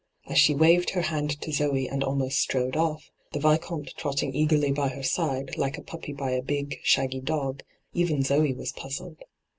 As she waved her hand to Zoe and almost strode off, the Vieomte trotting eagerly by her side, like a puppy by a big, shaggy dc^, even Zoe was puzzled.